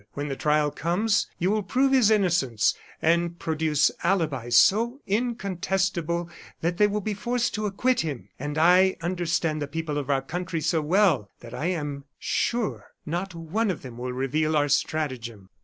When the trial comes, you will prove his innocence, and produce alibis so incontestable, that they will be forced to acquit him. And I understand the people of our country so well, that I am sure not one of them will reveal our stratagem."